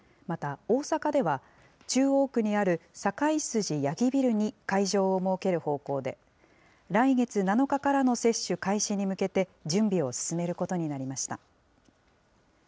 また、大阪では、中央区にある堺筋八木ビルに会場を設ける方向で、来月７日からの接種開始に向けて、準備を進めることになりました。